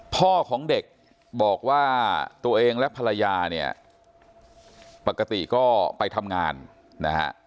พ่อของเด็กบอกว่าตัวเองและภรรยาเนี่ยปกติก็ไปทำงานนะฮะ